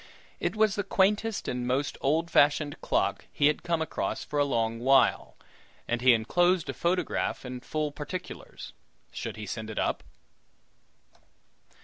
It was the quaintest and most old fashioned clock he had come across for a long while, and he enclosed photograph and full particulars; should he send it up?